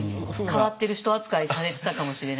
変わってる人扱いされてたかもしれないですよね。